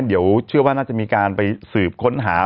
เดี๋ยวเชื่อว่าน่าจะมีการไปสืบค้นหา